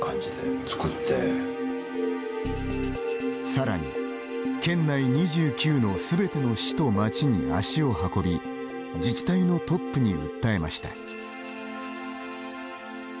さらに、県内２９のすべての市と町に足を運び自治体のトップに訴えました。